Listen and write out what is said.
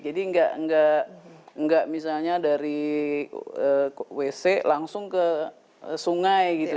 jadi nggak misalnya dari wc langsung ke sungai gitu